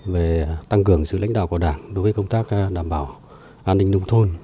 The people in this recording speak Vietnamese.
về tăng cường sự lãnh đạo của đảng đối với công tác đảm bảo an ninh nông thôn